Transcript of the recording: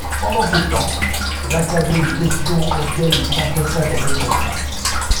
Pendant ce temps, je l’accablai de questions auxquelles il s’empressa de répondre.